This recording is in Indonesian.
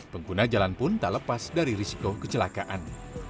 pengguna jalan pun tak lepas dari risiko kecelakaan